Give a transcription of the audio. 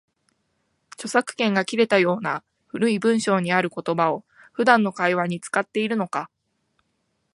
著作権が切れたような古い文章にある言葉を、普段の会話に使っているのか